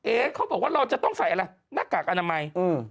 เขาบอกว่าเราจะต้องใส่อะไรหน้ากากอนามัย